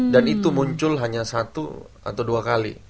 dan itu muncul hanya satu atau dua kali